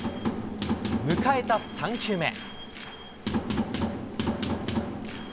迎えた３球目。